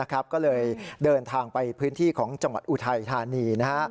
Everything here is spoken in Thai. ก็เลยเดินทางไปพื้นที่ของจังหวัดอุทัยธานี